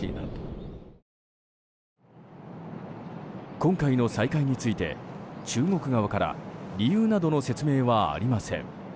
今回の再開について中国側から理由などの説明はありません。